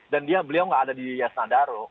dan beliau enggak ada di yasnadaro